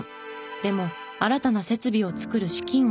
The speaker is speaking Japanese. でも新たな設備を作る資金はなく。